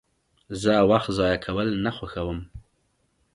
زه وخت ضایع کول نه خوښوم.